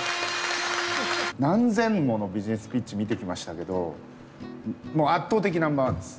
何千ものビジネスピッチ見てきましたけどもう圧倒的ナンバーワンです。